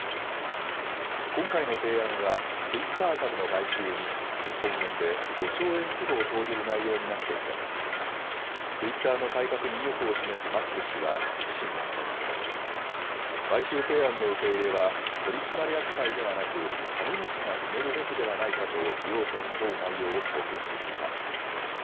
今回の提案は、ツイッター社の買収に日本円で５兆円規模を投じる内容になっていて、ツイッターの改革に意欲を示すマスク氏は自身のアカウントで、買収提案の受け入れは、取締役会ではなく、株主が決めるべきではないかと利用者に問う内容を投稿していました。